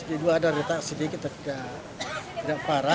di dua ada retak sedikit tidak parah